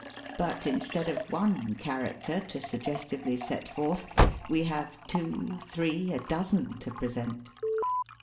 But instead of one character to suggestively set forth we have two, three, a dozen to present.